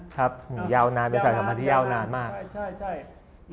ครับยาวนานบริษัทธรรมดียาวนานมากใช่